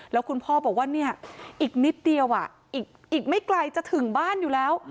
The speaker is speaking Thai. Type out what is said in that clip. แล้วคุณพ่อบอกว่าเนี่ยอีกนิดเดียวอีกไม่ไกลจะถึงบ้านอยู่แล้ว